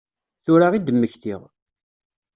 Tura i d-mmektiɣ.